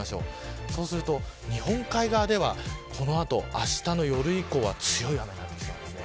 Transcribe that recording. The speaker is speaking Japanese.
日本海側ではこの後あしたの夜以降は強い雨になりそうです。